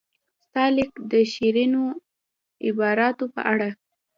ستا لیک د شیرینو عباراتو په اړه.